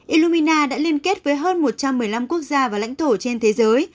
ilomina đã liên kết với hơn một trăm một mươi năm quốc gia và lãnh thổ trên thế giới